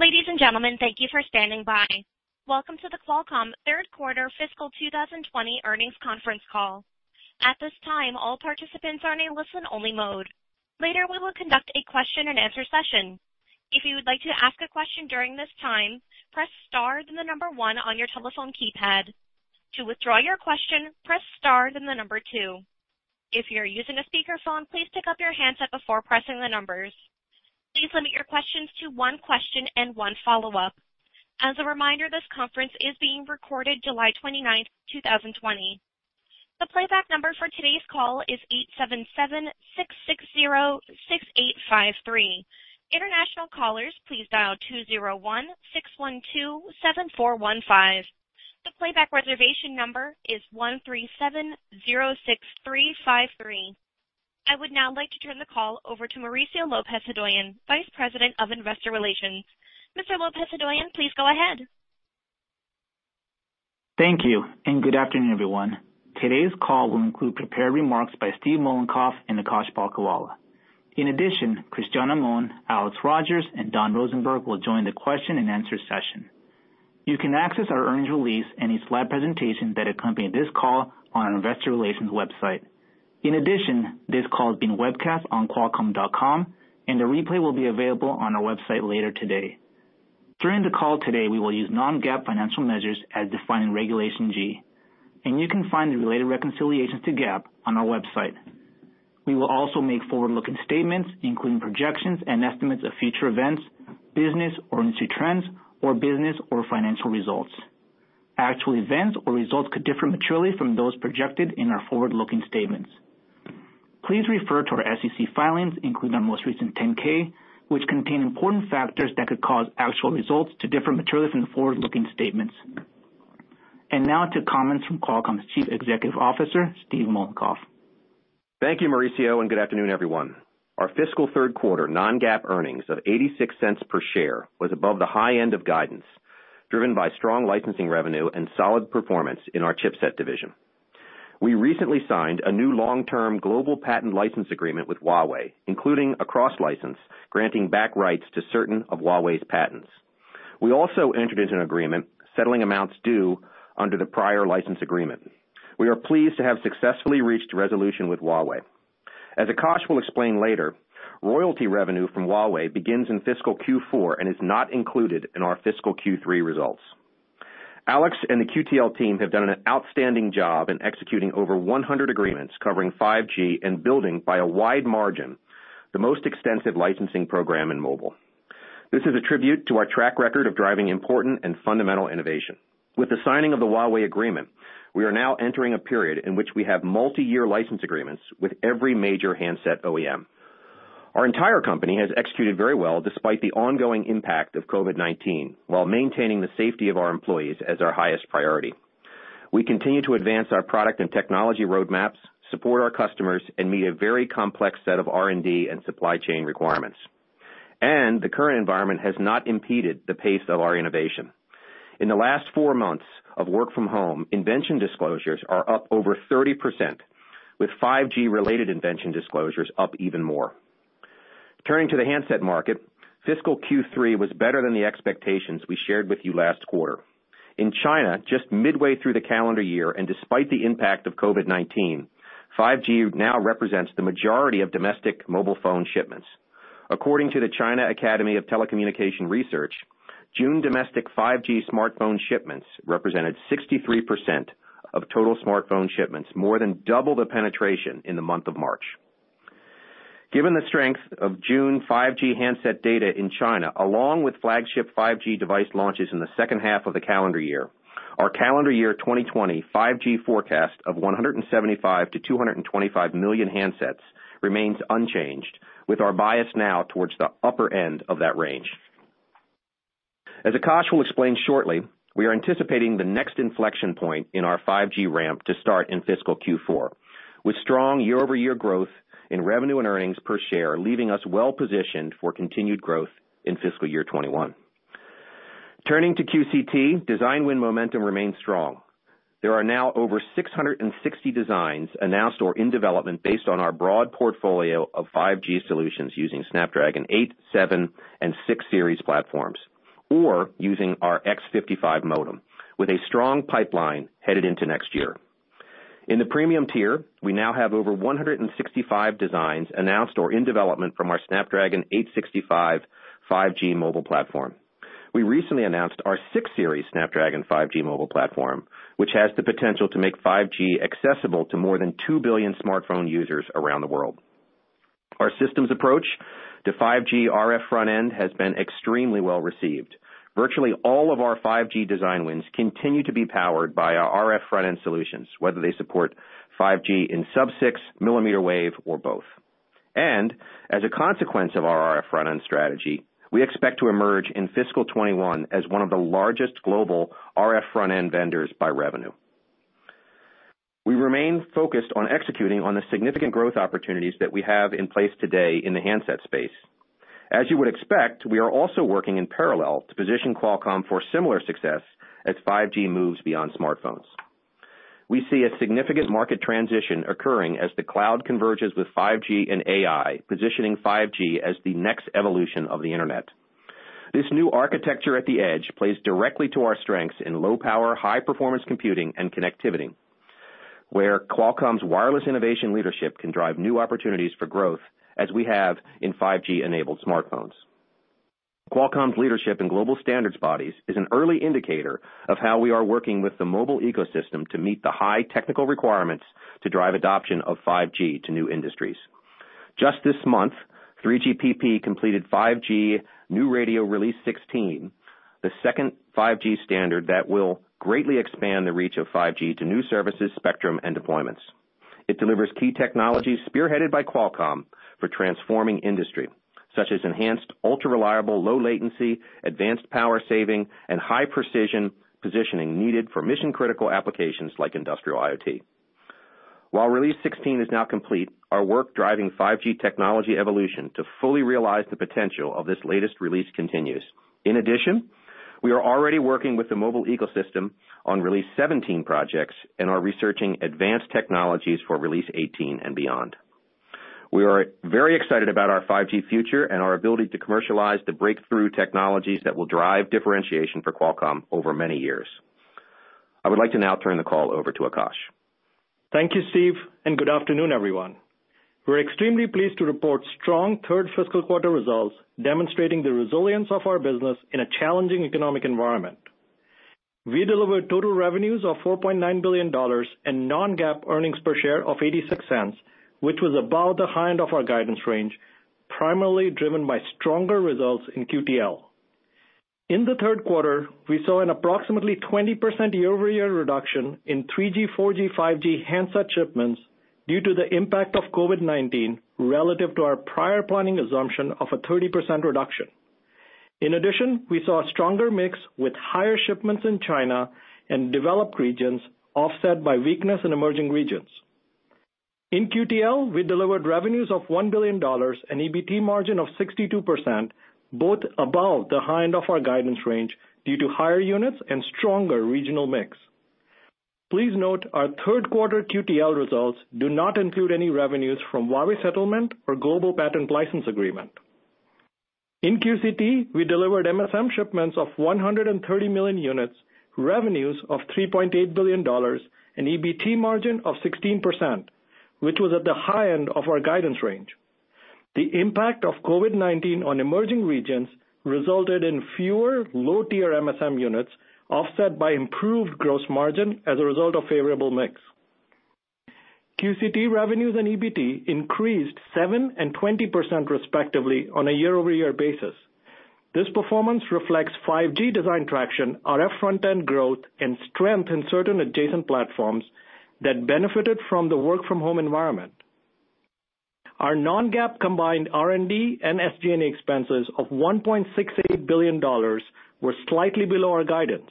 Ladies and gentlemen, thank you for standing by. Welcome to the Qualcomm Third Quarter Fiscal 2020 Earnings Conference Call. At this time, all participants are in a listen-only mode. Later, we will conduct a question-and-answer session. If you would like to ask a question during this time, press star, then the number one on your telephone keypad. To withdraw your question, press star, then the number two. If you are using a speakerphone, please pick up your handset before pressing the numbers. Please limit your questions to one question and one follow-up. As a reminder, this conference is being recorded July 29th, 2020. The playback number for today's call is 877-660-6853. International callers, please dial 201-612-7415. The playback reservation number is 137-06353. I would now like to turn the call over to Mauricio Lopez-Hodoyan, Vice President of Investor Relations. Mr. Lopez-Hodoyan, please go ahead. Thank you, and good afternoon, everyone. Today's call will include prepared remarks by Steve Mollenkopf and Akash Palkhiwala. In addition, Cristiano Amon, Alex Rogers, and Don Rosenberg will join the question-and-answer session. You can access our earnings release and the slide presentation that accompany this call on our investor relations website. This call is being webcast on qualcomm.com, and the replay will be available on our website later today. During the call today, we will use non-GAAP financial measures as defined in Regulation G, and you can find the related reconciliations to GAAP on our website. We will also make forward-looking statements, including projections and estimates of future events, business or industry trends, or business or financial results. Actual events or results could differ materially from those projected in our forward-looking statements. Please refer to our SEC filings, including our most recent 10-K, which contain important factors that could cause actual results to differ materially from the forward-looking statements. Now to comments from Qualcomm's Chief Executive Officer, Steve Mollenkopf. Thank you, Mauricio. Good afternoon, everyone. Our fiscal third quarter non-GAAP earnings of $0.86 per share was above the high end of guidance, driven by strong licensing revenue and solid performance in our chipset division. We recently signed a new long-term global patent license agreement with Huawei, including a cross-license granting back rights to certain of Huawei's patents. We also entered into an agreement settling amounts due under the prior license agreement. We are pleased to have successfully reached a resolution with Huawei. As Akash will explain later, royalty revenue from Huawei begins in fiscal Q4 and is not included in our fiscal Q3 results. Alex and the QTL team have done an outstanding job in executing over 100 agreements covering 5G and building, by a wide margin, the most extensive licensing program in mobile. This is a tribute to our track record of driving important and fundamental innovation. With the signing of the Huawei agreement, we are now entering a period in which we have multi-year license agreements with every major handset OEM. Our entire company has executed very well despite the ongoing impact of COVID-19, while maintaining the safety of our employees as our highest priority. We continue to advance our product and technology roadmaps, support our customers, and meet a very complex set of R&D and supply chain requirements. The current environment has not impeded the pace of our innovation. In the last four months of work from home, invention disclosures are up over 30%, with 5G-related invention disclosures up even more. Turning to the handset market, fiscal Q3 was better than the expectations we shared with you last quarter. In China, just midway through the calendar year and despite the impact of COVID-19, 5G now represents the majority of domestic mobile phone shipments. According to the China Academy of Information and Communications Technology, June domestic 5G smartphone shipments represented 63% of total smartphone shipments, more than double the penetration in the month of March. Given the strength of June 5G handset data in China, along with flagship 5G device launches in the second half of the calendar year, our calendar year 2020 5G forecast of 175 million-225 million handsets remains unchanged, with our bias now towards the upper end of that range. As Akash will explain shortly, we are anticipating the next inflection point in our 5G ramp to start in fiscal Q4, with strong year-over-year growth in revenue and earnings per share, leaving us well positioned for continued growth in fiscal year 2021. Turning to QCT, design win momentum remains strong. There are now over 660 designs announced or in development based on our broad portfolio of 5G solutions using Snapdragon 8, 7, and 6 Series platforms or using our X55 modem, with a strong pipeline headed into next year. In the premium tier, we now have over 165 designs announced or in development from our Snapdragon 865 5G mobile platform. We recently announced our 6 Series Snapdragon 5G mobile platform, which has the potential to make 5G accessible to more than 2 billion smartphone users around the world. Our systems approach to 5G RF front end has been extremely well received. Virtually all of our 5G design wins continue to be powered by our RF front end solutions, whether they support 5G in sub-6, mmWave, or both. As a consequence of our RF front end strategy, we expect to emerge in fiscal 2021 as one of the largest global RF front end vendors by revenue. We remain focused on executing on the significant growth opportunities that we have in place today in the handset space. As you would expect, we are also working in parallel to position Qualcomm for similar success as 5G moves beyond smartphones. We see a significant market transition occurring as the cloud converges with 5G and AI, positioning 5G as the next evolution of the internet. This new architecture at the edge plays directly to our strengths in low power, high performance computing and connectivity, where Qualcomm's wireless innovation leadership can drive new opportunities for growth as we have in 5G-enabled smartphones. Qualcomm's leadership in global standards bodies is an early indicator of how we are working with the mobile ecosystem to meet the high technical requirements to drive adoption of 5G to new industries. Just this month, 3GPP completed 5G New Radio Release 16, the second 5G standard that will greatly expand the reach of 5G to new services, spectrum, and deployments. It delivers key technologies spearheaded by Qualcomm for transforming industry, such as enhanced ultra-reliable, low latency, advanced power saving, and high-precision positioning needed for mission-critical applications like industrial IoT. While Release 16 is now complete, our work driving 5G technology evolution to fully realize the potential of this latest release continues. We are already working with the mobile ecosystem on Release 17 projects and are researching advanced technologies for Release 18 and beyond. We are very excited about our 5G future and our ability to commercialize the breakthrough technologies that will drive differentiation for Qualcomm over many years. I would like to now turn the call over to Akash. Thank you, Steve. Good afternoon, everyone. We're extremely pleased to report strong third fiscal quarter results, demonstrating the resilience of our business in a challenging economic environment. We delivered total revenues of $4.9 billion and non-GAAP earnings per share of $0.86, which was above the high end of our guidance range, primarily driven by stronger results in QTL. In the third quarter, we saw an approximately 20% year-over-year reduction in 3G, 4G, 5G handset shipments due to the impact of COVID-19 relative to our prior planning assumption of a 30% reduction. In addition, we saw a stronger mix with higher shipments in China and developed regions offset by weakness in emerging regions. In QTL, we delivered revenues of $1 billion, an EBT margin of 62%, both above the high end of our guidance range due to higher units and stronger regional mix. Please note our third quarter QTL results do not include any revenues from Huawei settlement or global patent license agreement. In QCT, we delivered MSM shipments of 130 million units, revenues of $3.8 billion, an EBT margin of 16%, which was at the high end of our guidance range. The impact of COVID-19 on emerging regions resulted in fewer low-tier MSM units, offset by improved gross margin as a result of favorable mix. QCT revenues and EBT increased 7% and 20% respectively on a year-over-year basis. This performance reflects 5G design traction, RF front end growth, and strength in certain adjacent platforms that benefited from the work-from-home environment. Our non-GAAP combined R&D and SG&A expenses of $1.68 billion were slightly below our guidance.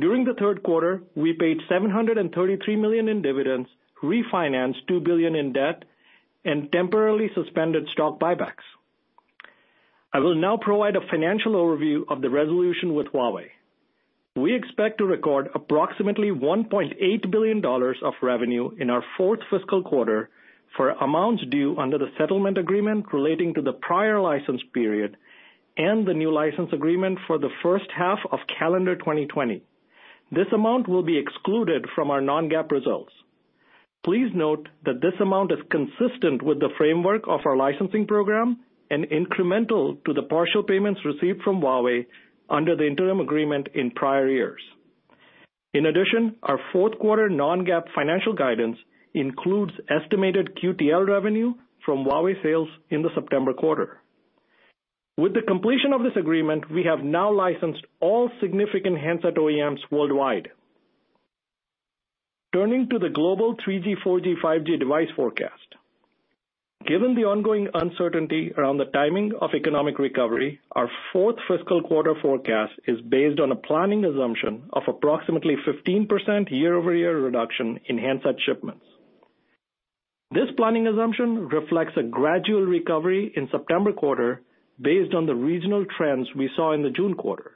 During the third quarter, we paid $733 million in dividends, refinanced $2 billion in debt, and temporarily suspended stock buybacks. I will now provide a financial overview of the resolution with Huawei. We expect to record approximately $1.8 billion of revenue in our fourth fiscal quarter for amounts due under the settlement agreement relating to the prior license period and the new license agreement for the first half of calendar 2020. This amount will be excluded from our non-GAAP results. Please note that this amount is consistent with the framework of our licensing program and incremental to the partial payments received from Huawei under the interim agreement in prior years. In addition, our fourth quarter non-GAAP financial guidance includes estimated QTL revenue from Huawei sales in the September quarter. With the completion of this agreement, we have now licensed all significant handset OEMs worldwide. Turning to the global 3G, 4G, 5G device forecast. Given the ongoing uncertainty around the timing of economic recovery, our fourth fiscal quarter forecast is based on a planning assumption of approximately 15% year-over-year reduction in handset shipments. This planning assumption reflects a gradual recovery in September quarter based on the regional trends we saw in the June quarter.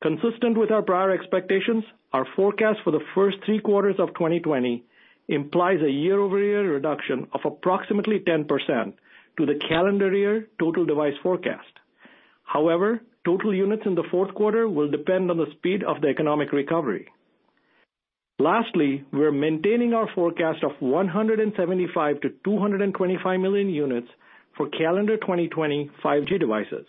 Consistent with our prior expectations, our forecast for the first three quarters of 2020 implies a year-over-year reduction of approximately 10% to the calendar year total device forecast. However, total units in the fourth quarter will depend on the speed of the economic recovery. Lastly, we're maintaining our forecast of 175 million units-225 million units for calendar 2020 5G devices.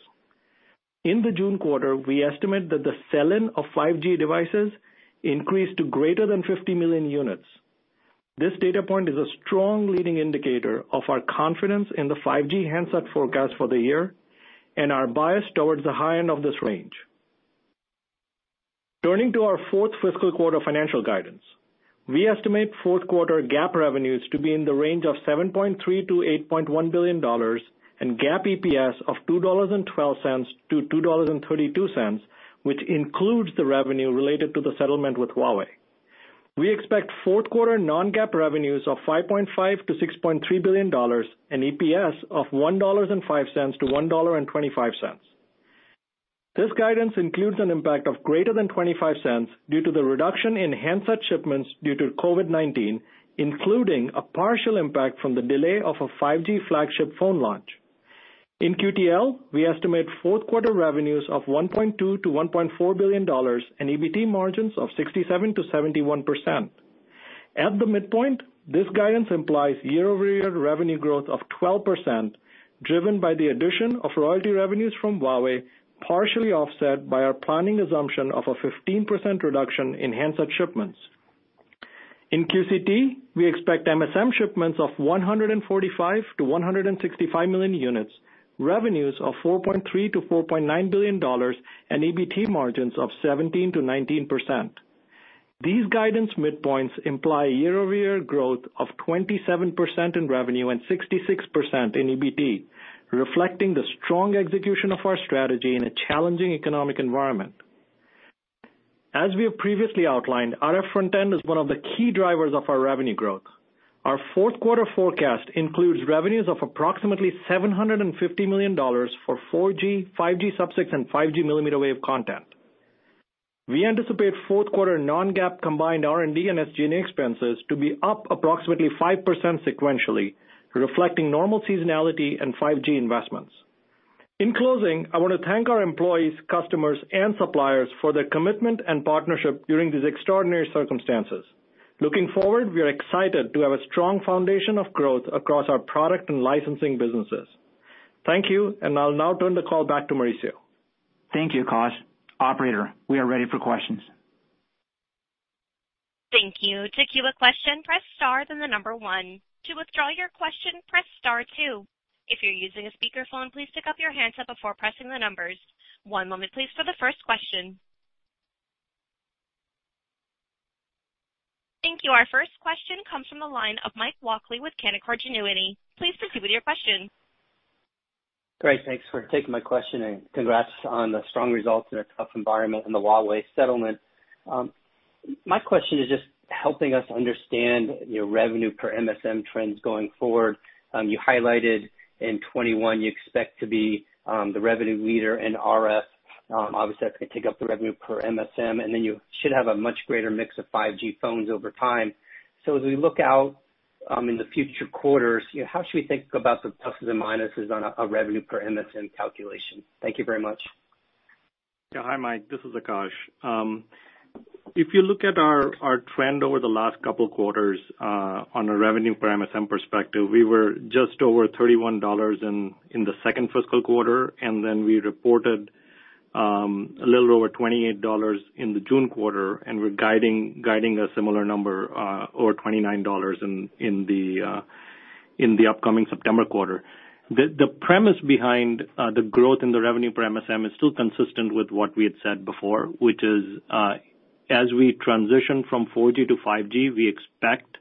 In the June quarter, we estimate that the sell-in of 5G devices increased to greater than 50 million units. This data point is a strong leading indicator of our confidence in the 5G handset forecast for the year and our bias towards the high end of this range. Turning to our fourth fiscal quarter financial guidance. We estimate fourth quarter GAAP revenues to be in the range of $7.3 billion-$8.1 billion and GAAP EPS of $2.12-$2.32, which includes the revenue related to the settlement with Huawei. We expect fourth quarter non-GAAP revenues of $5.5 billion to $6.3 billion and EPS of $1.05-$1.25. This guidance includes an impact of greater than $0.25 due to the reduction in handset shipments due to COVID-19, including a partial impact from the delay of a 5G flagship phone launch. In QTL, we estimate fourth quarter revenues of $1.2 billion-$1.4 billion and EBT margins of 67%-71%. At the midpoint, this guidance implies year-over-year revenue growth of 12%, driven by the addition of royalty revenues from Huawei, partially offset by our planning assumption of a 15% reduction in handset shipments. In QCT, we expect MSM shipments of 145 million-165 million units, revenues of $4.3 billion-$4.9 billion and EBT margins of 17%-19%. These guidance midpoints imply year-over-year growth of 27% in revenue and 66% in EBT, reflecting the strong execution of our strategy in a challenging economic environment. As we have previously outlined, RF front-end is one of the key drivers of our revenue growth. Our fourth quarter forecast includes revenues of approximately $750 million for 4G, 5G sub-6 and 5G mmWave content. We anticipate fourth quarter non-GAAP combined R&D and SG&A expenses to be up approximately 5% sequentially, reflecting normal seasonality and 5G investments. In closing, I want to thank our employees, customers and suppliers for their commitment and partnership during these extraordinary circumstances. Looking forward, we are excited to have a strong foundation of growth across our product and licensing businesses. Thank you, and I'll now turn the call back to Mauricio. Thank you, Akash. Operator, we are ready for questions. Thank you. To queue a question, press star, then the number one. To withdraw your question, press star two. If you're using a speakerphone, please pick up your handset before pressing the numbers. One moment please for the first question. Thank you. Our first question comes from the line of Mike Walkley with Canaccord Genuity. Please proceed with your question. Great. Thanks for taking my question. Congrats on the strong results in a tough environment and the Huawei settlement. My question is just helping us understand your revenue per MSM trends going forward. You highlighted in 2021 you expect to be the revenue leader in RF. Obviously, that's going to take up the revenue per MSM. Then you should have a much greater mix of 5G phones over time. As we look out in the future quarters, how should we think about the pluses and minuses on a revenue per MSM calculation? Thank you very much. Yeah. Hi, Mike. This is Akash. If you look at our trend over the last couple of quarters on a revenue per MSM perspective, we were just over $31 in the second fiscal quarter, then we reported a little over $28 in the June quarter, and we're guiding a similar number or $29 in the upcoming September quarter. The premise behind the growth in the revenue per MSM is still consistent with what we had said before, which is, as we transition from 4G to 5G, we expect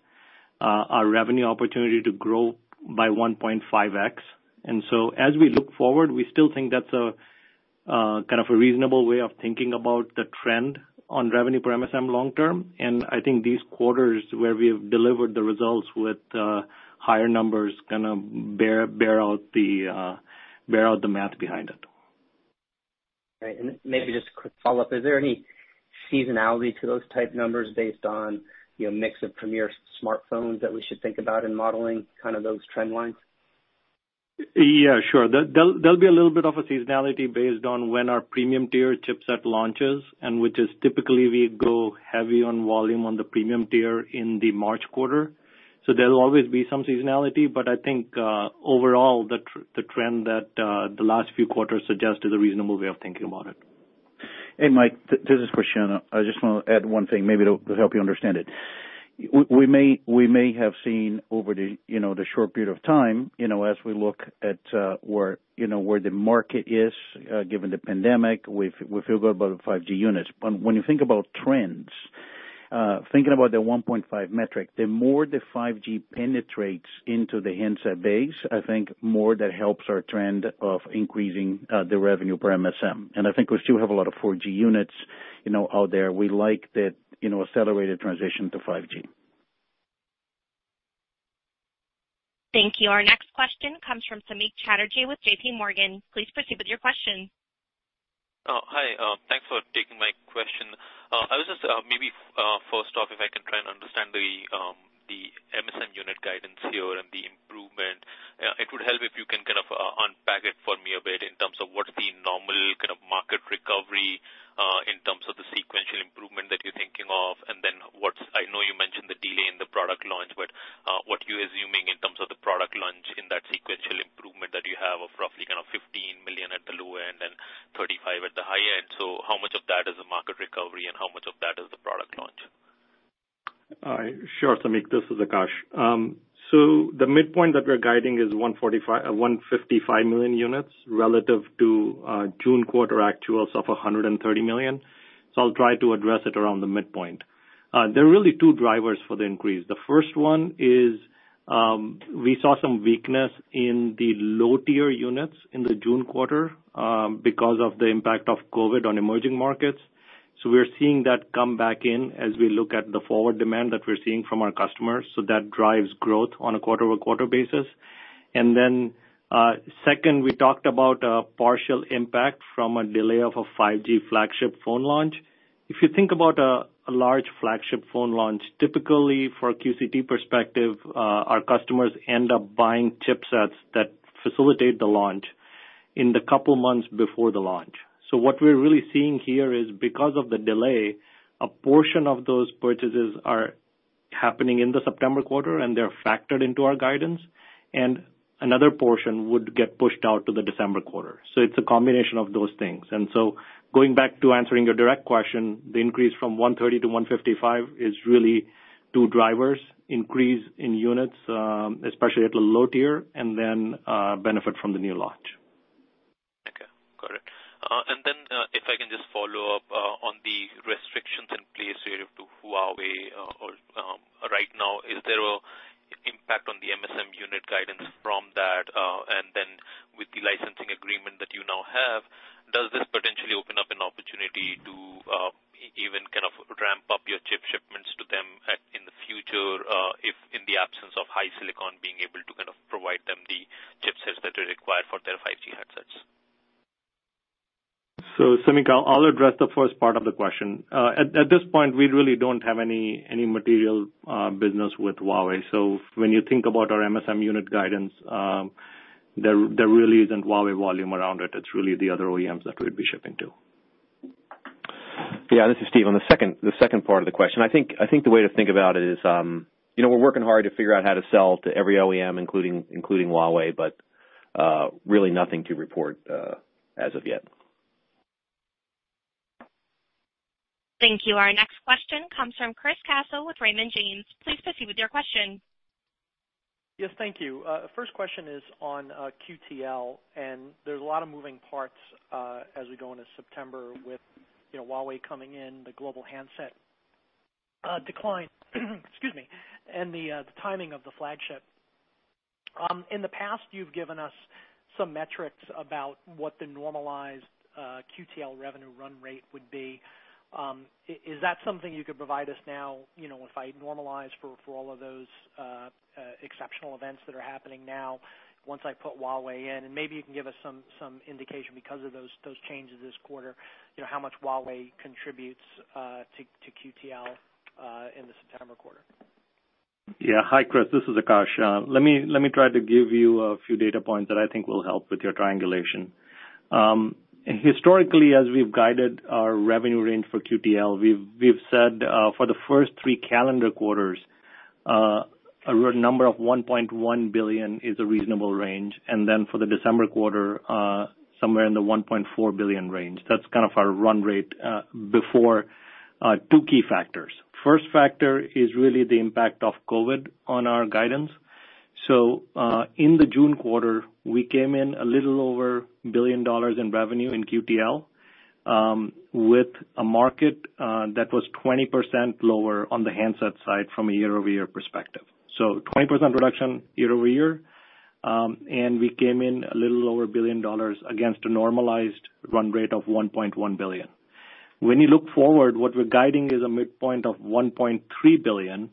our revenue opportunity to grow by 1.5x. As we look forward, we still think that's a reasonable way of thinking about the trend on revenue per MSM long term. I think these quarters where we have delivered the results with higher numbers kind of bear out the math behind it. Right. Maybe just a quick follow-up. Is there any seasonality to those type numbers based on mix of premier smartphones that we should think about in modeling kind of those trend lines? Yeah, sure. There'll be a little bit of a seasonality based on when our premium tier chipset launches and which is typically we go heavy on volume on the premium tier in the March quarter. There'll always be some seasonality, but I think overall, the trend that the last few quarters suggest is a reasonable way of thinking about it. Hey, Mike, this is Cristiano. I just want to add one thing maybe to help you understand it. We may have seen over the short period of time as we look at where the market is given the pandemic, we feel good about 5G units. When you think about trends, thinking about the 1.5 metric, the more the 5G penetrates into the handset base, I think more that helps our trend of increasing the revenue per MSM. I think we still have a lot of 4G units out there. We like that accelerated transition to 5G. Thank you. Our next question comes from Samik Chatterjee with JPMorgan. Please proceed with your question. Hi. Thanks for taking my question. I was just maybe first off, if I can try and understand the MSM unit guidance here and the improvement. It would help if you can kind of unpack it for me a bit in terms of what's the normal kind of market recovery in terms of the sequential improvement that you're thinking of, and then I know you mentioned the delay in the product launch, but what are you assuming in terms of the product launch in that sequential improvement that you have of roughly kind of 15 million-35 million? How much of that is a market recovery and how much of that is the product launch? Sure, Samik. This is Akash. The midpoint that we're guiding is 155 million units relative to June quarter actuals of 130 million. I'll try to address it around the midpoint. There are really two drivers for the increase. The first one is we saw some weakness in the low-tier units in the June quarter because of the impact of COVID-19 on emerging markets. We're seeing that come back in as we look at the forward demand that we're seeing from our customers. That drives growth on a quarter-over-quarter basis. Second, we talked about a partial impact from a delay of a 5G flagship phone launch. If you think about a large flagship phone launch, typically for a QCT perspective, our customers end up buying chipsets that facilitate the launch in the couple of months before the launch. What we're really seeing here is because of the delay, a portion of those purchases are happening in the September quarter, and they're factored into our guidance, and another portion would get pushed out to the December quarter. It's a combination of those things. Going back to answering your direct question, the increase from 130 to 155 is really two drivers, increase in units, especially at the low tier, and then benefit from the new launch. Okay, got it. If I can just follow up on the restrictions in place related to Huawei right now, is there an impact on the MSM unit guidance from that? With the licensing agreement that you now have, does this potentially open up an an opportunity to even kind of ramp up your chip shipments to them in the future, if in the absence of HiSilicon being able to kind of provide them the chipsets that are required for their 5G headsets? Samik, I'll address the first part of the question. At this point, we really don't have any material business with Huawei. When you think about our MSM unit guidance, there really isn't Huawei volume around it. It's really the other OEMs that we'd be shipping to. Yeah, this is Steve. On the second part of the question, I think the way to think about it is, we're working hard to figure out how to sell to every OEM, including Huawei, but really nothing to report as of yet. Thank you. Our next question comes from Chris Caso with Raymond James. Please proceed with your question. Yes, thank you. First question is on QTL. There's a lot of moving parts as we go into September with Huawei coming in, the global handset decline, excuse me, and the timing of the flagship. In the past, you've given us some metrics about what the normalized QTL revenue run rate would be. Is that something you could provide us now, if I normalize for all of those exceptional events that are happening now, once I put Huawei in, and maybe you can give us some indication because of those changes this quarter, how much Huawei contributes to QTL in the September quarter. Yeah. Hi, Chris. This is Akash. Let me try to give you a few data points that I think will help with your triangulation. Historically, as we've guided our revenue range for QTL, we've said for the first three calendar quarters, a number of $1.1 billion is a reasonable range, and then for the December quarter, somewhere in the $1.4 billion range. That's kind of our run rate before two key factors. First factor is really the impact of COVID on our guidance. In the June quarter, we came in a little over $1 billion in revenue in QTL, with a market that was 20% lower on the handset side from a year-over-year perspective. 20% reduction year-over-year, and we came in a little over $1 billion against a normalized run rate of $1.1 billion. When you look forward, what we're guiding is a midpoint of $1.3 billion.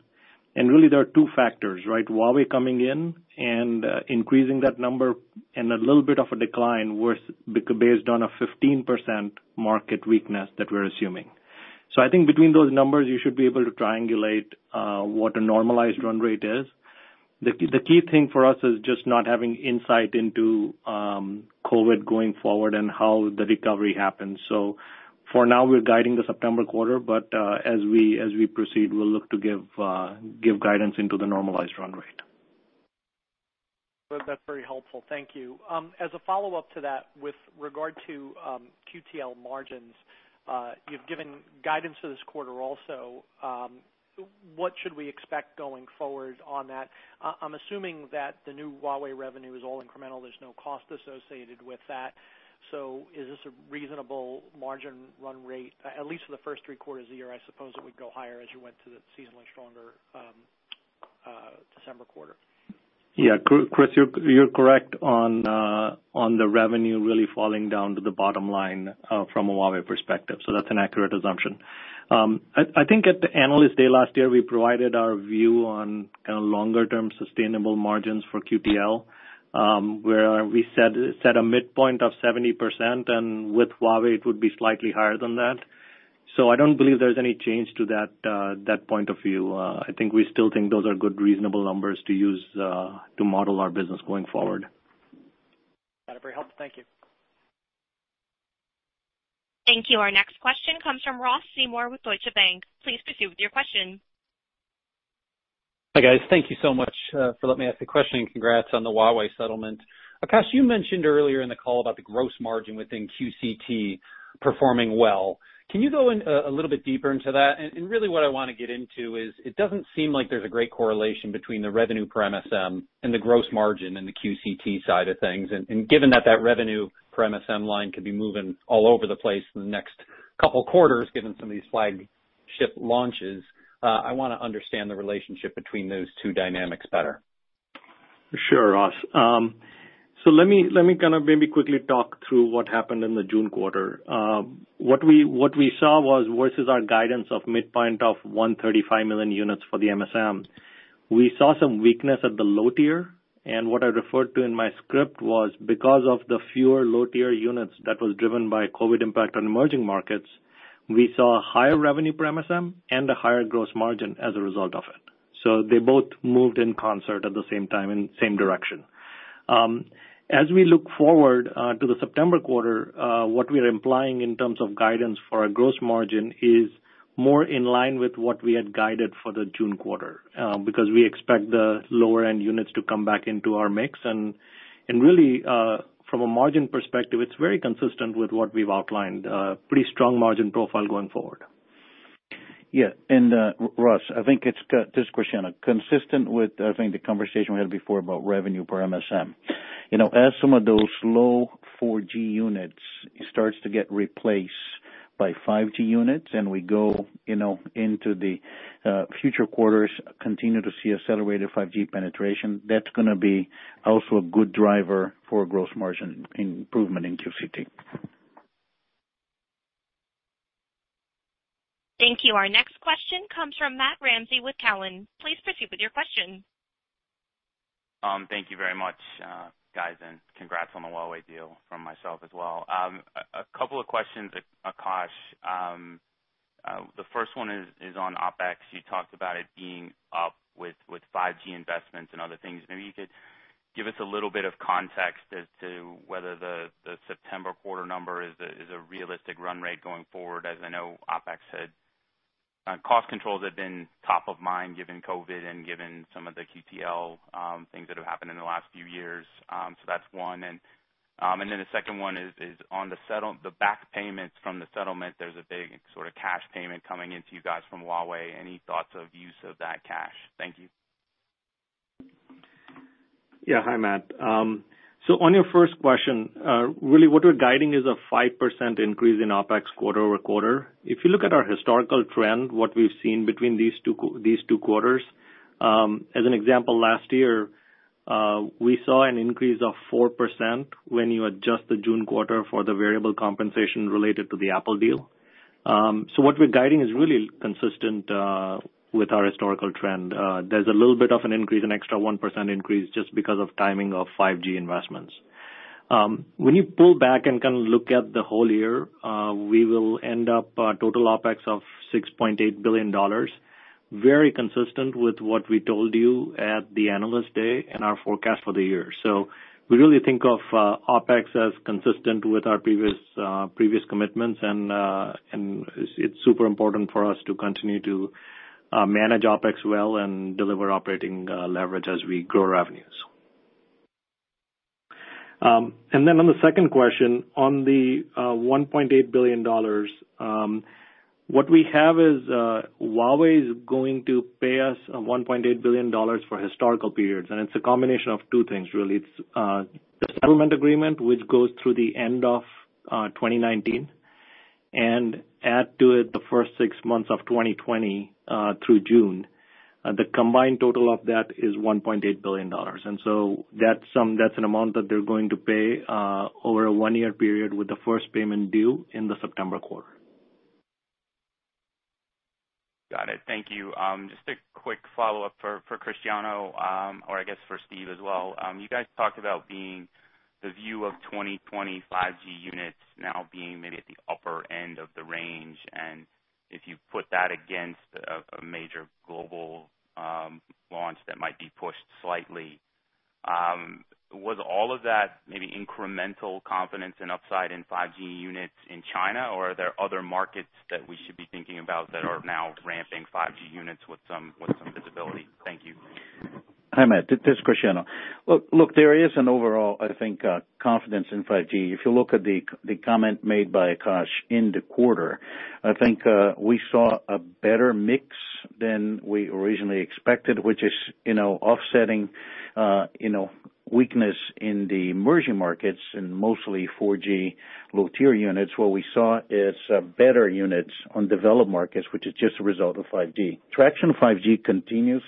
Really, there are two factors, right? Huawei coming in and increasing that number and a little bit of a decline based on a 15% market weakness that we're assuming. I think between those numbers, you should be able to triangulate what a normalized run rate is. The key thing for us is just not having insight into COVID-19 going forward and how the recovery happens. For now, we're guiding the September quarter, but as we proceed, we'll look to give guidance into the normalized run rate. That's very helpful. Thank you. As a follow-up to that, with regard to QTL margins, you've given guidance for this quarter also. What should we expect going forward on that? I'm assuming that the new Huawei revenue is all incremental. There's no cost associated with that. Is this a reasonable margin run rate, at least for the first three quarters of the year? I suppose it would go higher as you went to the seasonally stronger December quarter. Yeah, Chris, you're correct on the revenue really falling down to the bottom line from a Huawei perspective. That's an accurate assumption. I think at the Analyst Day last year, we provided our view on kind of longer-term sustainable margins for QTL, where we set a midpoint of 70%, and with Huawei, it would be slightly higher than that. I don't believe there's any change to that point of view. I think we still think those are good, reasonable numbers to use to model our business going forward. That is very helpful. Thank you. Thank you. Our next question comes from Ross Seymore with Deutsche Bank. Please proceed with your question. Hi, guys. Thank you so much for letting me ask a question. Congrats on the Huawei settlement. Akash, you mentioned earlier in the call about the gross margin within QCT performing well. Can you go a little bit deeper into that? Really what I want to get into is, it doesn't seem like there's a great correlation between the revenue per MSM and the gross margin in the QCT side of things. Given that that revenue per MSM line could be moving all over the place in the next couple of quarters, given some of these flagship launches, I want to understand the relationship between those two dynamics better. Sure, Ross. Let me maybe quickly talk through what happened in the June quarter. What we saw was versus our guidance of midpoint of 135 million units for the MSM. We saw some weakness at the low tier, and what I referred to in my script was because of the fewer low-tier units that was driven by COVID impact on emerging markets, we saw a higher revenue per MSM and a higher gross margin as a result of it. They both moved in concert at the same time, in the same direction. As we look forward to the September quarter, what we are implying in terms of guidance for our gross margin is more in line with what we had guided for the June quarter because we expect the lower-end units to come back into our mix. Really, from a margin perspective, it's very consistent with what we've outlined. Pretty strong margin profile going forward. Yeah. Ross, this is Cristiano, consistent with, I think, the conversation we had before about revenue per MSM. As some of those low 4G units starts to get replaced by 5G units and we go into the future quarters, continue to see accelerated 5G penetration, that's going to be also a good driver for gross margin improvement in QCT. Thank you. Our next question comes from Matt Ramsay with Cowen. Please proceed with your question. Thank you very much, guys, and congrats on the Huawei deal from myself as well. A couple of questions, Akash. The first one is on OpEx. You talked about it being up with 5G investments and other things. Maybe you could give us a little bit of context as to whether the September quarter number is a realistic run rate going forward, as I know cost controls have been top of mind given COVID-19 and given some of the QTL things that have happened in the last few years. That's one. The second one is on the back payments from the settlement. There's a big sort of cash payment coming into you guys from Huawei. Any thoughts of use of that cash? Thank you. Hi, Matt. Really what we're guiding is a 5% increase in OpEx quarter-over-quarter. If you look at our historical trend, what we've seen between these two quarters, as an example, last year, we saw an increase of 4% when you adjust the June quarter for the variable compensation related to the Apple deal. What we're guiding is really consistent with our historical trend. There's a little bit of an increase, an extra 1% increase just because of timing of 5G investments. When you pull back and look at the whole year, we will end up a total OpEx of $6.8 billion. Very consistent with what we told you at the Analyst Day and our forecast for the year. We really think of OpEx as consistent with our previous commitments, and it's super important for us to continue to manage OpEx well and deliver operating leverage as we grow revenues. On the second question on the $1.8 billion, what we have is, Huawei is going to pay us $1.8 billion for historical periods, and it's a combination of two things, really. It's the settlement agreement, which goes through the end of 2019 and add to it the first six months of 2020 through June. The combined total of that is $1.8 billion. That's an amount that they're going to pay over a one-year period with the first payment due in the September quarter. Got it. Thank you. Just a quick follow-up for Cristiano, or I guess for Steve as well. You guys talked about being the view of 5G units now being maybe at the upper end of the range, and if you put that against a major global launch that might be pushed slightly. Was all of that maybe incremental confidence and upside in 5G units in China, or are there other markets that we should be thinking about that are now ramping 5G units with some visibility? Thank you. Hi, Matt. This is Cristiano. Look, there is an overall, I think, confidence in 5G. If you look at the comment made by Akash in the quarter, I think we saw a better mix than we originally expected, which is offsetting weakness in the emerging markets and mostly 4G low-tier units. What we saw is better units on developed markets, which is just a result of 5G. Traction of 5G continues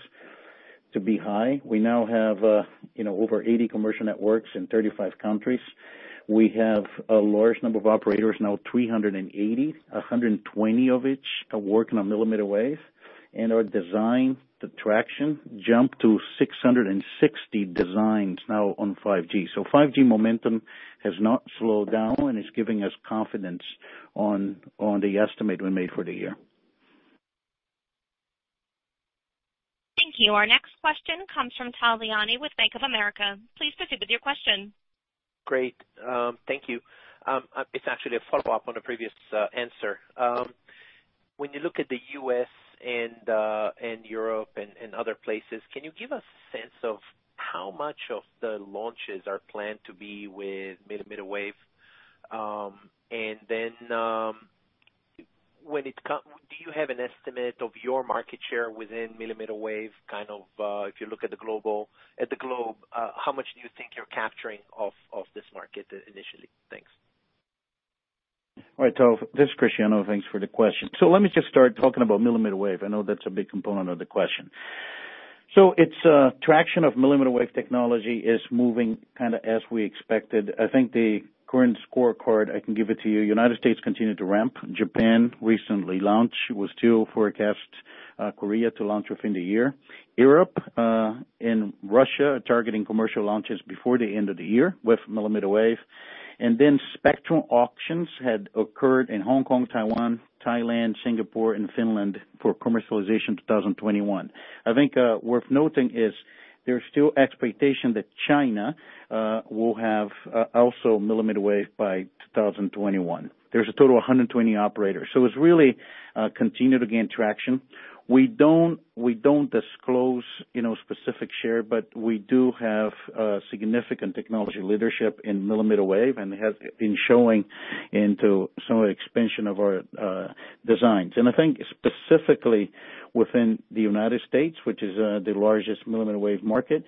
to be high. We now have over 80 commercial networks in 35 countries. We have a large number of operators, now 380, 120 of which are working on mmWave, and our design, the traction jumped to 660 designs now on 5G. 5G momentum has not slowed down, and it's giving us confidence on the estimate we made for the year. Thank you. Our next question comes from Tal Liani with Bank of America. Please proceed with your question. Great. Thank you. It's actually a follow-up on a previous answer. When you look at the U.S. and Europe and other places, can you give a sense of how much of the launches are planned to be with mmWave? Do you have an estimate of your market share within mmWave? If you look at the globe, how much do you think you're capturing of this market initially? Thanks. All right, Tal. This is Cristiano. Thanks for the question. Let me just start talking about millimeter wave. I know that's a big component of the question. Its traction of millimeter wave technology is moving kind of as we expected. I think the current scorecard, I can give it to you. United States continued to ramp. Japan recently launched. We still forecast Korea to launch within the year. Europe and Russia are targeting commercial launches before the end of the year with millimeter wave. Spectral auctions had occurred in Hong Kong, Taiwan, Thailand, Singapore, and Finland for commercialization 2021. I think worth noting is there's still expectation that China will have also millimeter wave by 2021. There's a total of 120 operators. It's really continued to gain traction. We don't disclose specific share, but we do have significant technology leadership in millimeter wave and has been showing into some expansion of our designs. I think specifically within the U.S., which is the largest millimeter wave market,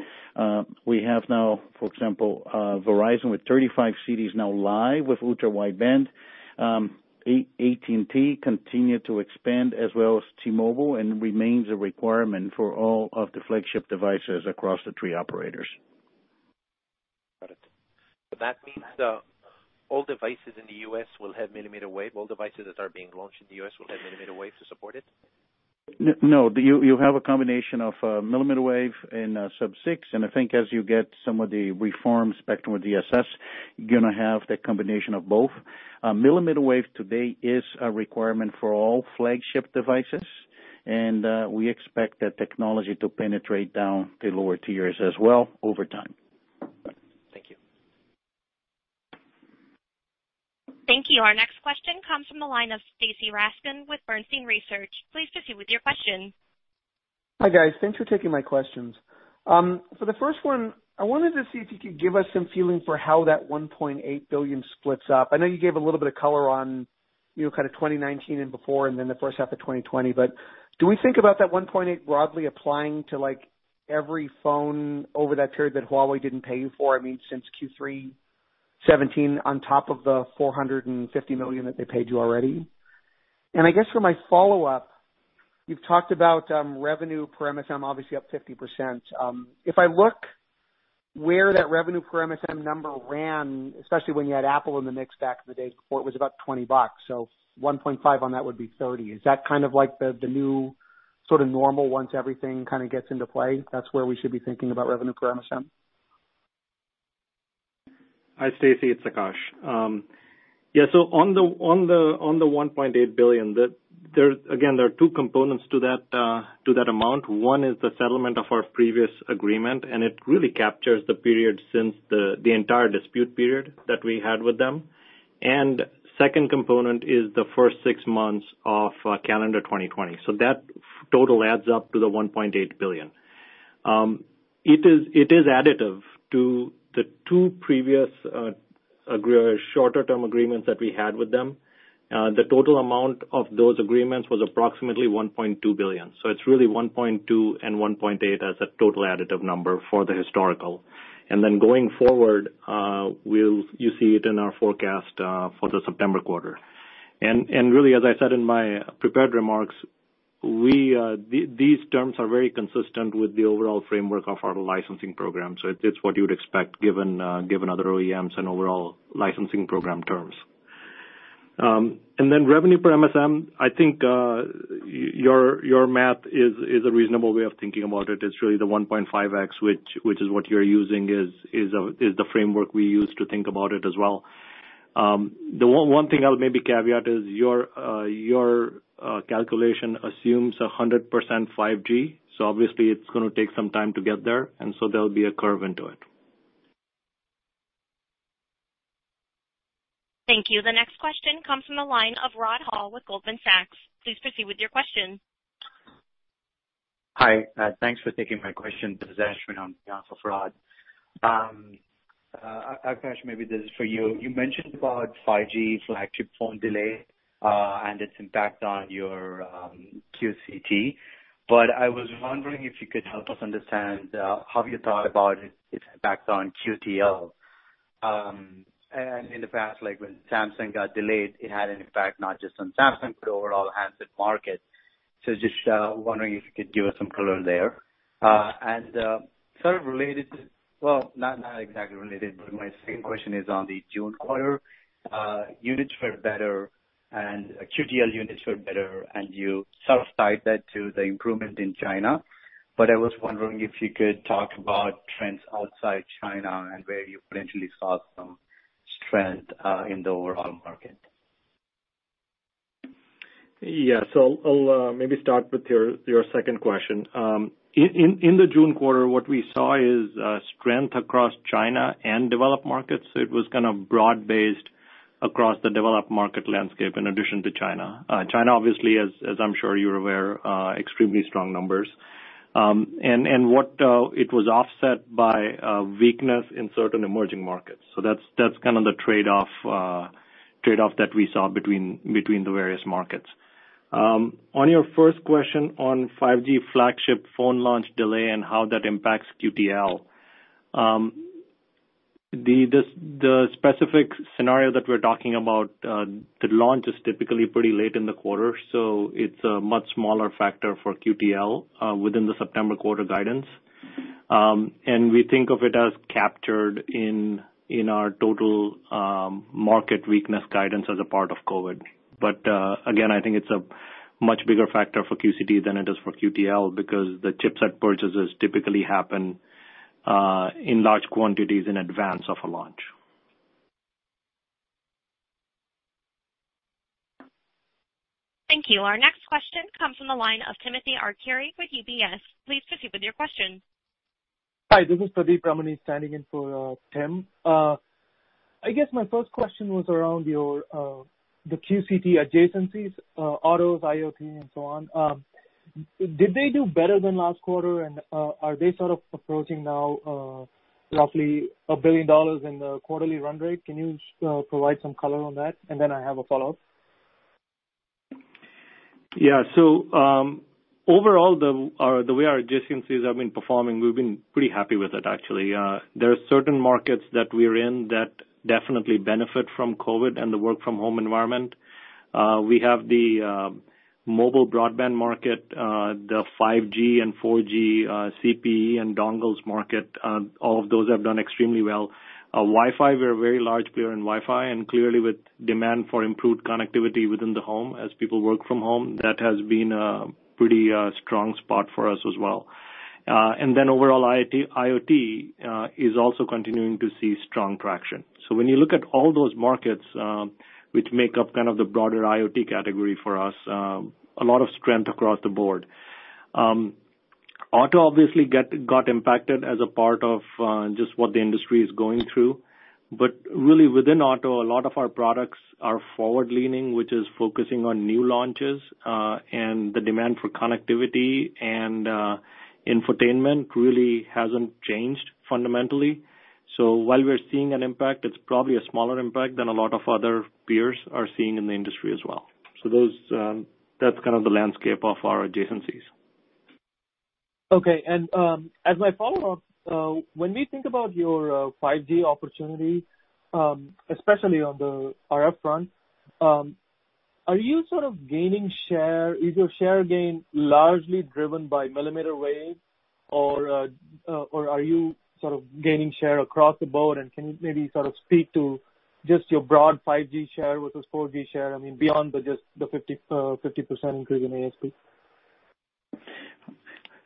we have now, for example, Verizon with 35 cities now live with Ultra Wideband. AT&T continue to expand as well as T-Mobile and remains a requirement for all of the flagship devices across the three operators. Got it. That means all devices in the U.S. will have millimeter wave, all devices that are being launched in the U.S. will have millimeter wave to support it? No. You have a combination of millimeter wave and sub-6, and I think as you get some of the reformed spectrum with DSS, you're going to have that combination of both. Millimeter wave today is a requirement for all flagship devices, and we expect that technology to penetrate down to lower tiers as well over time. Thank you. Thank you. Our next question comes from the line of Stacy Rasgon with Bernstein Research. Please proceed with your question. Hi, guys. Thanks for taking my questions. For the first one, I wanted to see if you could give us some feeling for how that $1.8 billion splits up. I know you gave a little bit of color on kind of 2019 and before, and then the first half of 2020, do we think about that $1.8 billion broadly applying to every phone over that period that Huawei didn't pay you for, I mean, since Q3 2017, on top of the $450 million that they paid you already? I guess for my follow-up, you've talked about revenue per MSM obviously up 50%. If I look where that revenue per MSM number ran, especially when you had Apple in the mix back in the days before, it was about $20. 1.5 on that would be $30. Is that kind of like the new sort of normal once everything kind of gets into play? That's where we should be thinking about revenue per MSM? Hi, Stacy. It's Akash. Yeah. On the $1.8 billion, again, there are two components to that amount. One is the settlement of our previous agreement, and it really captures the period since the entire dispute period that we had with them. Second component is the first six months of calendar 2020. That total adds up to the $1.8 billion. It is additive to the two previous shorter-term agreements that we had with them. The total amount of those agreements was approximately $1.2 billion. It's really $1.2 billion and $1.8 billion as a total additive number for the historical. Going forward, you see it in our forecast for the September quarter. Really, as I said in my prepared remarks, these terms are very consistent with the overall framework of our licensing program. It's what you would expect given other OEMs and overall licensing program terms. Revenue per MSM, I think your math is a reasonable way of thinking about it. It's really the 1.5x, which is what you're using is the framework we use to think about it as well. The one thing I'll maybe caveat is your calculation assumes 100% 5G. Obviously it's going to take some time to get there. There'll be a curve into it. Thank you. The next question comes from the line of Rod Hall with Goldman Sachs. Please proceed with your question. Hi. Thanks for taking my question. This is Ashwin on behalf of Rod. Akash, maybe this is for you. You mentioned about 5G flagship phone delay, and its impact on your QCT, but I was wondering if you could help us understand how you thought about its impact on QTL. In the past, like when Samsung got delayed, it had an impact not just on Samsung, but overall handset market. Just wondering if you could give us some color there. Well, not exactly related, but my second question is on the June quarter. Units were better and QTL units were better, and you sort of tied that to the improvement in China. I was wondering if you could talk about trends outside China and where you potentially saw some strength in the overall market. Yeah. I'll maybe start with your second question. In the June quarter, what we saw is strength across China and developed markets. It was kind of broad-based across the developed market landscape in addition to China. China, obviously, as I'm sure you're aware, extremely strong numbers. It was offset by weakness in certain emerging markets. That's kind of the trade-off that we saw between the various markets. On your first question on 5G flagship phone launch delay and how that impacts QTL The specific scenario that we're talking about, the launch is typically pretty late in the quarter, so it's a much smaller factor for QTL within the September quarter guidance. We think of it as captured in our total market weakness guidance as a part of COVID-19. Again, I think it's a much bigger factor for QCT than it is for QTL because the chipset purchases typically happen in large quantities in advance of a launch. Thank you. Our next question comes from the line of Timothy Arcuri with UBS. Please proceed with your question. Hi, this is Pradeep Ramani standing in for Tim. I guess my first question was around the QCT adjacencies, autos, IoT, and so on. Did they do better than last quarter and are they sort of approaching now roughly $1 billion in the quarterly run rate? Can you provide some color on that? I have a follow-up. Yeah. Overall, the way our adjacencies have been performing, we've been pretty happy with it, actually. There are certain markets that we are in that definitely benefit from COVID and the work from home environment. We have the mobile broadband market, the 5G and 4G CPE and dongles market. All of those have done extremely well. Wi-Fi, we're a very large player in Wi-Fi, and clearly with demand for improved connectivity within the home as people work from home, that has been a pretty strong spot for us as well. Overall, IoT is also continuing to see strong traction. When you look at all those markets, which make up kind of the broader IoT category for us, a lot of strength across the board. Auto obviously got impacted as a part of just what the industry is going through. Really within auto, a lot of our products are forward leaning, which is focusing on new launches, and the demand for connectivity and infotainment really hasn't changed fundamentally. While we're seeing an impact, it's probably a smaller impact than a lot of other peers are seeing in the industry as well. That's kind of the landscape of our adjacencies. Okay. As my follow-up, when we think about your 5G opportunity, especially on the RF front, are you sort of gaining share? Is your share gain largely driven by millimeter wave, or are you sort of gaining share across the board and can you maybe sort of speak to just your broad 5G share versus 4G share? I mean, beyond the 50% increase in ASP.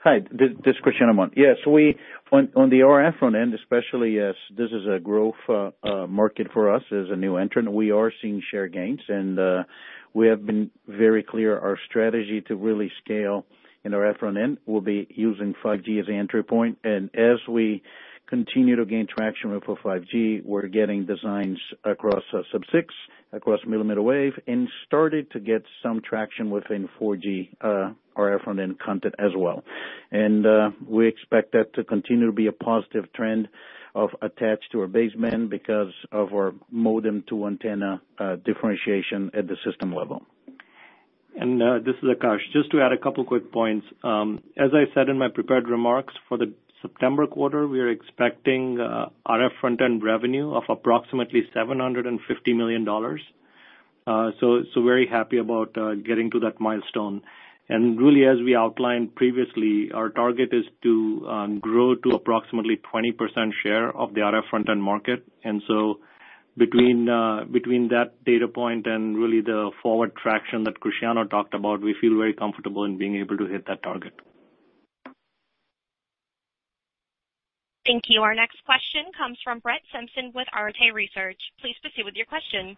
Hi, this is Cristiano Amon. Yes. On the RF front end especially, yes, this is a growth market for us as a new entrant. We are seeing share gains and we have been very clear, our strategy to really scale in the RF front end will be using 5G as the entry point. As we continue to gain traction with 5G, we're getting designs across sub-6, across millimeter wave, and started to get some traction within 4G RF front end content as well. We expect that to continue to be a positive trend of attached to our baseband because of our modem to antenna differentiation at the system level. This is Akash. Just to add a couple of quick points. As I said in my prepared remarks, for the September quarter, we are expecting RF front end revenue of approximately $750 million. Very happy about getting to that milestone. Really as we outlined previously, our target is to grow to approximately 20% share of the RF front end market. Between that data point and really the forward traction that Cristiano talked about, we feel very comfortable in being able to hit that target. Thank you. Our next question comes from Brett Simpson with Arete Research. Please proceed with your question.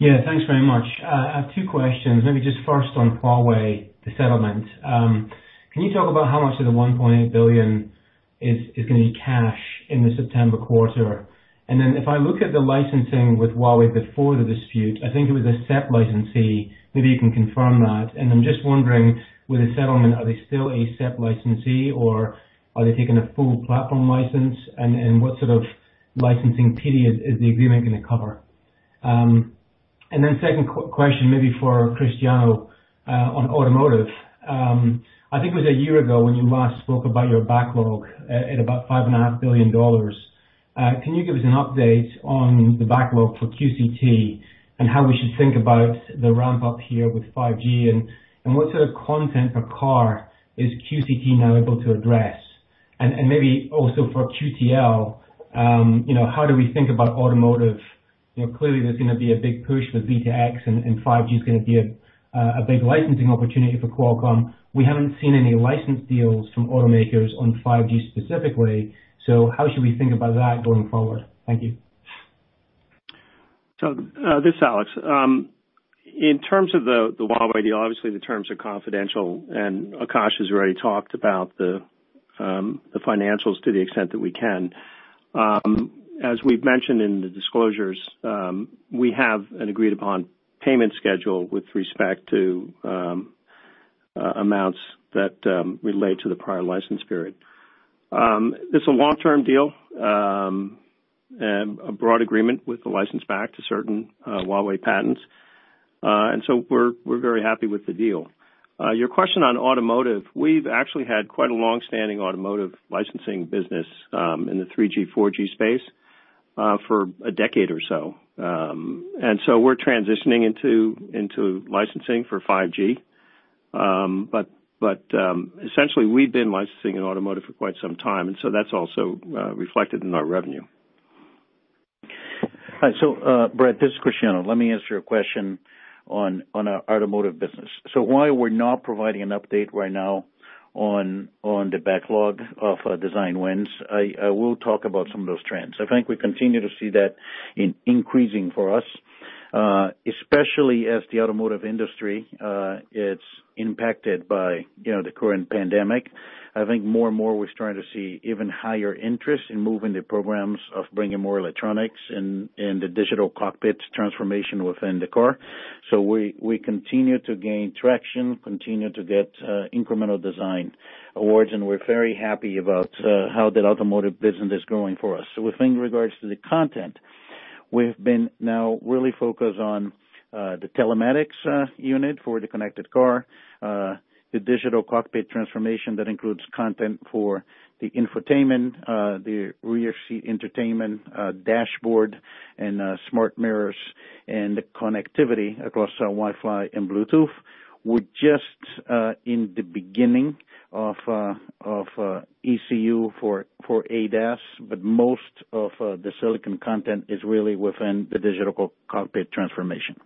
Yeah, thanks very much. I have two questions. Maybe just first on Huawei, the settlement. Can you talk about how much of the $1.8 billion is going to be cash in the September quarter? If I look at the licensing with Huawei before the dispute, I think it was a SEP licensee, maybe you can confirm that. I'm just wondering, with the settlement, are they still a SEP licensee or are they taking a full platform license and what sort of licensing period is the agreement going to cover? Second question maybe for Cristiano, on automotive. I think it was a year ago when you last spoke about your backlog at about $5.5 billion. Can you give us an update on the backlog for QCT and how we should think about the ramp up here with 5G and what sort of content per car is QCT now able to address? And maybe also for QTL, how do we think about automotive? Clearly, there's going to be a big push with V2X and 5G is going to be a big licensing opportunity for Qualcomm. We haven't seen any license deals from automakers on 5G specifically, so how should we think about that going forward? Thank you. This Alex. In terms of the Huawei deal, obviously the terms are confidential, and Akash has already talked about the financials to the extent that we can. As we've mentioned in the disclosures, we have an agreed-upon payment schedule with respect to amounts that relate to the prior license period. It's a long-term deal. A broad agreement with the license back to certain Huawei patents. We're very happy with the deal. Your question on automotive, we've actually had quite a long-standing automotive licensing business in the 3G, 4G space for a decade or so. We're transitioning into licensing for 5G. Essentially, we've been licensing in automotive for quite some time, and so that's also reflected in our revenue. All right. Brett, this is Cristiano Amon. Let me answer your question on our automotive business. Why we're not providing an update right now on the backlog of design wins, I will talk about some of those trends. I think we continue to see that increasing for us, especially as the automotive industry is impacted by the current pandemic. I think more and more, we're starting to see even higher interest in moving the programs of bringing more electronics in the digital cockpit transformation within the car. We continue to gain traction, continue to get incremental design awards, and we're very happy about how that automotive business is growing for us. With regards to the content, we've been now really focused on the telematics unit for the connected car, the digital cockpit transformation that includes content for the infotainment, the rear seat entertainment, dashboard, and smart mirrors, and the connectivity across our Wi-Fi and Bluetooth. We're just in the beginning of ECU for ADAS, but most of the silicon content is really within the digital cockpit transformation.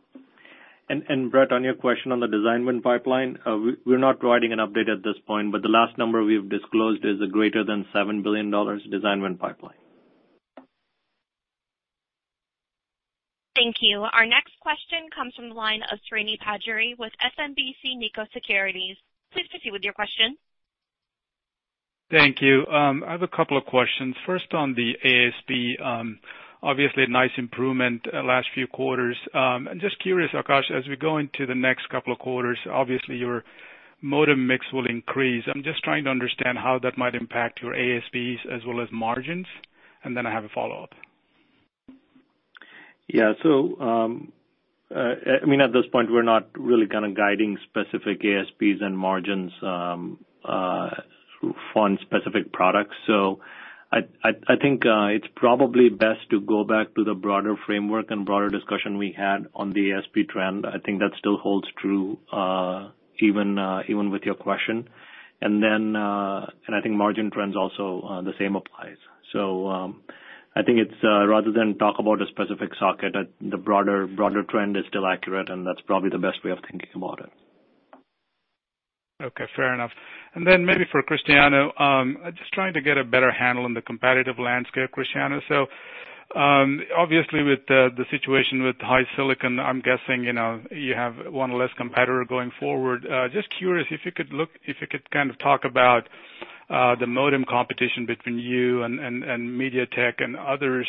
Brett, on your question on the design win pipeline, we're not providing an update at this point, but the last number we've disclosed is a greater than $7 billion design win pipeline. Thank you. Our next question comes from the line of Srini Pajjuri with SMBC Nikko Securities. Please proceed with your question. Thank you. I have a couple of questions. First, on the ASP, obviously a nice improvement last few quarters. I'm just curious, Akash, as we go into the next couple of quarters, obviously your modem mix will increase. I'm just trying to understand how that might impact your ASPs as well as margins. I have a follow-up. Yeah. At this point, we're not really going to guide specific ASPs and margins for specific products. I think it's probably best to go back to the broader framework and broader discussion we had on the ASP trend. I think that still holds true even with your question. I think margin trends also, the same applies. I think rather than talk about a specific socket, the broader trend is still accurate, and that's probably the best way of thinking about it. Okay, fair enough. Maybe for Cristiano, just trying to get a better handle on the competitive landscape, Cristiano. Obviously with the situation with HiSilicon, I'm guessing you have one less competitor going forward. Just curious if you could kind of talk about the modem competition between you and MediaTek and others,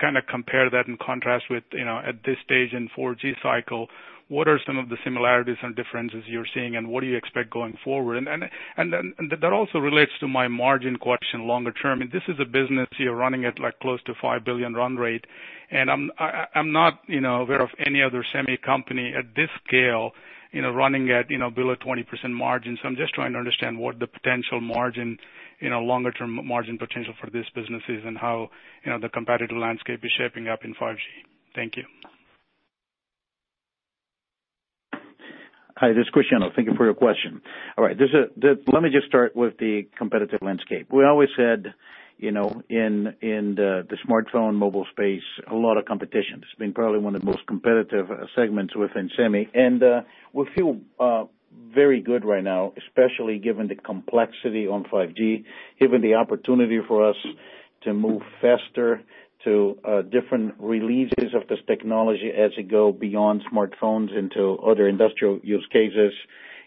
kind of compare that and contrast with, at this stage in 4G cycle, what are some of the similarities and differences you're seeing, and what do you expect going forward? That also relates to my margin question longer term. This is a business you're running at close to $5 billion run rate, and I'm not aware of any other semi company at this scale running at below 20% margins. I'm just trying to understand what the potential margin, longer-term margin potential for this business is and how the competitive landscape is shaping up in 5G. Thank you. Hi, this is Cristiano. Thank you for your question. All right. Let me just start with the competitive landscape. We always said in the smartphone mobile space, a lot of competition. It's been probably one of the most competitive segments within semi, and we feel very good right now, especially given the complexity on 5G, given the opportunity for us to move faster to different releases of this technology as we go beyond smartphones into other industrial use cases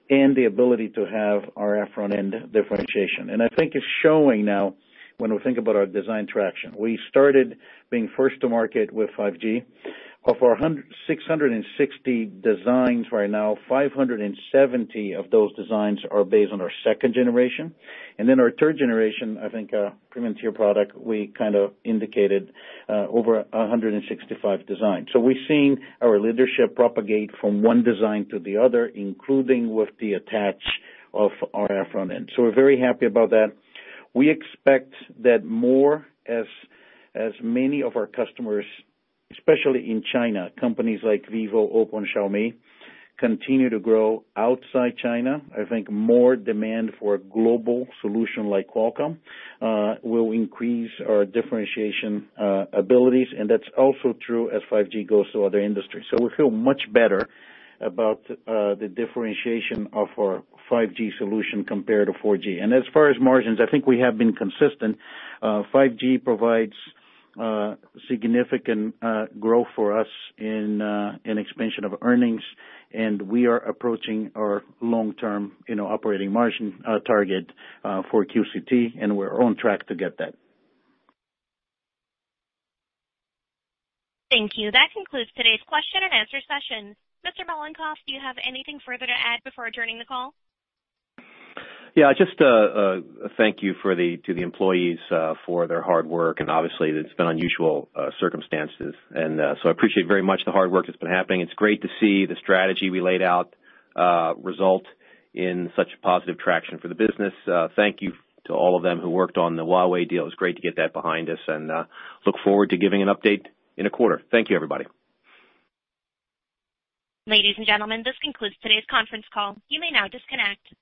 and the ability to have our front-end differentiation. I think it's showing now when we think about our design traction. We started being first to market with 5G. Of our 660 designs right now, 570 of those designs are based on our second generation. Then our third generation, I think, coming to your product, we kind of indicated over 165 designs. We're seeing our leadership propagate from one design to the other, including with the attach of our front end. We expect that more as many of our customers, especially in China, companies like vivo, OPPO, and Xiaomi, continue to grow outside China. I think more demand for a global solution like Qualcomm will increase our differentiation abilities, and that's also true as 5G goes to other industries. As far as margins, I think we have been consistent. 5G provides significant growth for us in expansion of earnings, and we are approaching our long-term operating margin target for QCT, and we're on track to get that. Thank you. That concludes today's question and answer session. Mr. Mollenkopf, do you have anything further to add before adjourning the call? Yeah, just a thank you to the employees for their hard work, and obviously, it's been unusual circumstances, and so I appreciate very much the hard work that's been happening. It's great to see the strategy we laid out result in such positive traction for the business. Thank you to all of them who worked on the Huawei deal. It was great to get that behind us, and look forward to giving an update in a quarter. Thank you, everybody. Ladies and gentlemen, this concludes today's conference call. You may now disconnect.